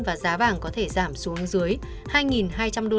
và giá bảng có thể giảm xuống dưới hai hai trăm linh đô la